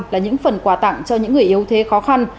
hai mươi là những phần quà tặng cho những người yếu thế khó khăn